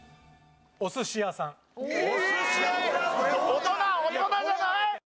大人大人じゃない？